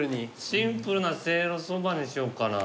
シンプルなせいろそばにしようかな。